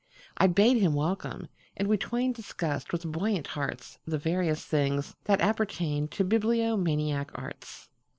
I bade him welcome, and we twainDiscussed with buoyant heartsThe various things that appertainTo bibliomaniac arts.